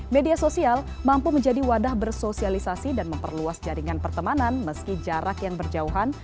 media sosial mampu menjadi wadah bersosialisasi dan memperluas jaringan pertemanan meski jarak yang berjauhan